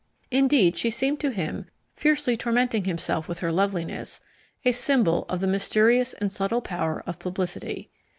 Indeed she seemed to him, fiercely tormenting himself with her loveliness, a symbol of the mysterious and subtle power of publicity.